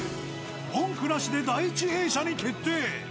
文句なしで第１泳者に決定。